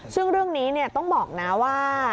ซึ่งเรื่องนี้ต้องบอกนะว่า